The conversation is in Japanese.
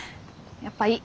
やっぱいい。